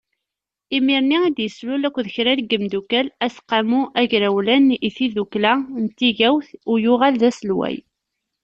Imir-nni i d-yeslul-d akked kra n yimeddukkal aseqqamu agrawlan i tiddukla n tigawt u yuɣal d aselway.